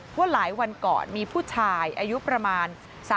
ว่าหลายวันก่อนมีผู้ชายอายุประมาณ